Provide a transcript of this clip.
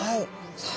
さあ